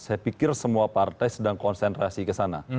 saya pikir semua partai sedang konsentrasi ke sana